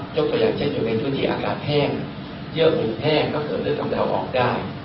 เจ้าคนอย่างเช่นอยู่ในช่วงที่อากาศแห้งเชื่อมือแห้งก็คือเลือกกำเดาออกได้